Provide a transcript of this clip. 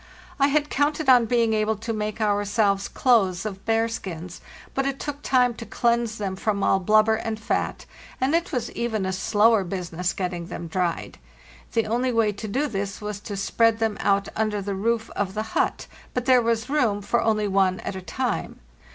I had counted on being able to make ourselves clothes of bearskins, but it took time to cleanse them from all blubber and fat, and it was even a slower business getting them dried. The only way to do this was to spread them out under the roof of the hut; but there was room for only one at a time.